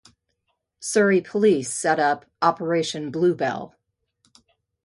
Surrey Police set up "Operation Bluebell".